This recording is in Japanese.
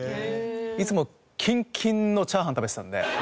いつもキンキンのチャーハン食べてたんで。